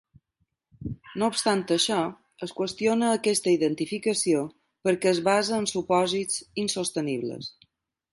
No obstant això, es qüestiona aquesta identificació perquè es basa en supòsits insostenibles.